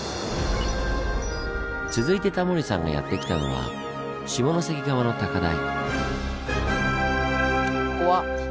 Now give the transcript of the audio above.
続いてタモリさんがやって来たのは下関側の高台。